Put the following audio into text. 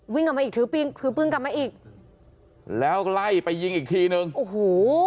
กลับมาอีกถือปืนถือปืนกลับมาอีกแล้วไล่ไปยิงอีกทีนึงโอ้โห